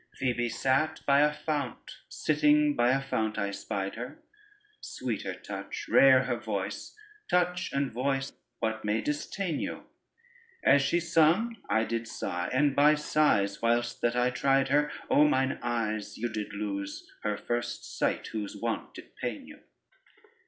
Phoebe sat By a fount; Sitting by a fount I spied her: Sweet her touch, Rare her voice: Touch and voice what may distain you? As she sung I did sigh, And by sighs whilst that I tried her, O mine eyes! You did lose Her first sight whose want did pain you.